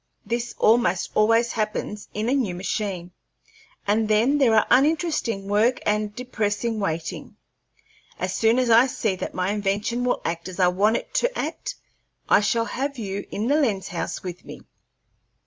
This almost always happens in a new machine, and then there are uninteresting work and depressing waiting. As soon as I see that my invention will act as I want it to act, I shall have you in the lens house with me.